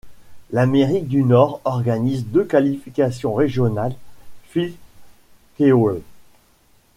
L'Amérique du Nord organise deux qualifications régionales Fleadh Cheoil.